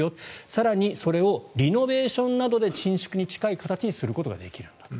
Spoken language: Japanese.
更にそれをリノベーションなどで新築に近い形でできる可能性があるんだと。